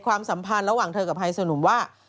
ความสัมพันธ์ระหว่างเธอกับไฮโซหนุ่มว่า